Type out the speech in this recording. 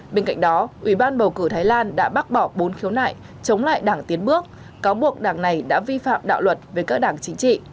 bên cạnh đó ủy ban bầu cử thái lan đã bác bỏ bốn khiếu nại chống lại đảng tiến bước cáo buộc đảng này đã vi phạm đạo luật về các đảng chính trị